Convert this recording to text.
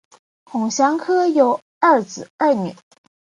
孔祥柯有二子二女